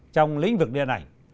trong lĩnh vực điện ảnh